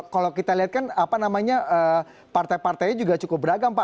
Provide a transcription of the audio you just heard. kalau kita lihat kan apa namanya partai partainya juga cukup beragam pak